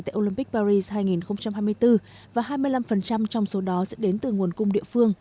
tại olympic paris hai nghìn hai mươi bốn và hai mươi năm trong số đó sẽ đến từ nguồn cung địa phương